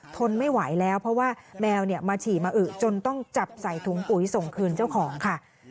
ทนไม่ไหวแล้วเพราะว่าแมวมาฉี่มาอึจนต้องจับใส่ถุงปุ๋ยส่งคืนเจ้าของค่ะ